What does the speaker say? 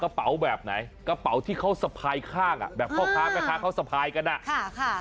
กระเป๋าแบบไหนกระเป๋าที่เขาสะพายข้างอ่ะแบบพ่อค้าแม่ค้าเขาสะพายกันอ่ะค่ะ